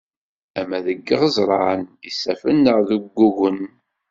Ama deg yiɣeẓran, isaffen neɣ uggugen.